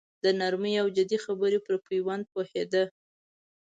د نرمې او جدي خبرې پر پېوند پوهېده.